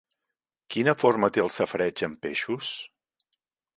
Quina forma té el safareig amb peixos?